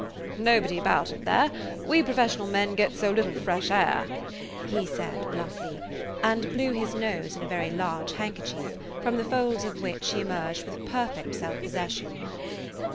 "Nobody about in there; we professional men get so little fresh air," he said bluffly, and blew his nose in a very large handkerchief, from the folds of which he emerged with perfect self possession.